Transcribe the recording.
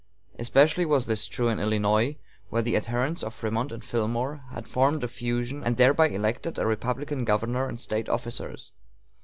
Especially was this true in Illinois, where the adherents of Frémont and Fillmore had formed a fusion, and thereby elected a Republican governor and State officers.